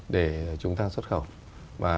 để chúng ta xuất khẩu và